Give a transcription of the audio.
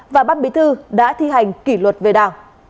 và ban bí thư đã thi hành kỷ luật về đảng